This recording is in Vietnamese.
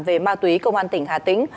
về ma túy công an tỉnh hà tĩnh